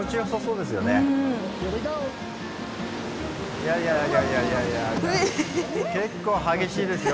いやいやいやいや結構激しいですよ